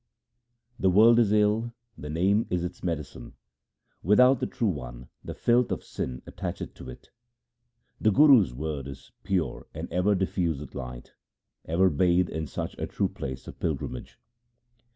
LIFE OF GURU RAM DAS 255 The world is ill, the Name is its medicine ; without the True One the filth of sin attacheth to it. The Guru's word is pure and ever diffuseth light ; ever bathe in such a true place of pilgrimage.